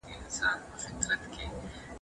په جنت کې هر څه وي چې انسان یې غواړي، موجود دي.